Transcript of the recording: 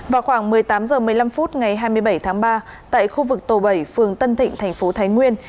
vào khoảng một mươi tám h một mươi năm phút ngày hai mươi bảy tháng ba tại khu vực tổ bảy phường tân thịnh thành phố thái nguyên